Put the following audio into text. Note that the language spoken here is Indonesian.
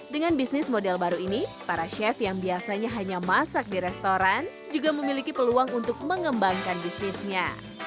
dengan bisnis model baru ini para chef yang biasanya hanya masak di restoran juga memiliki peluang untuk mengembangkan bisnisnya